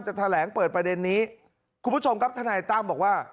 แถลงเปิดประเด็นนี้คุณผู้ชมครับทนายตั้มบอกว่า